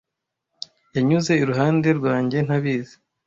Yanyuze iruhande rwanjye ntabizi.